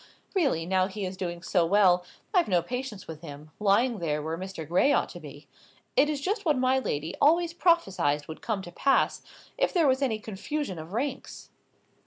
Really, now he is doing so well, I've no patience with him, lying there where Mr. Gray ought to be. It is just what my lady always prophesied would come to pass, if there was any confusion of ranks."